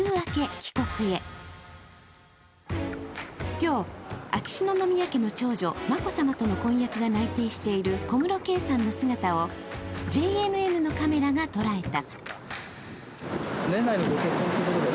今日、秋篠宮家の長女、眞子さまとの婚約が内定している小室圭さんの姿をＪＮＮのカメラが捉えた。